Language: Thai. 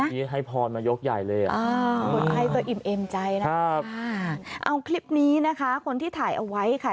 นี่ให้พรมายกใหญ่เลยอ่ะคนให้ก็อิ่มเอ็มใจนะครับเอาคลิปนี้นะคะคนที่ถ่ายเอาไว้ค่ะ